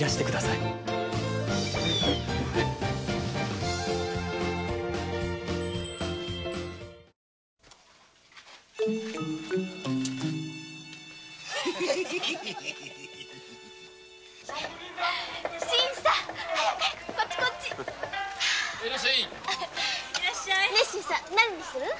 いらっしゃい何にする？